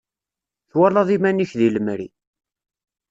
Twalaḍ iman-ik deg lemri.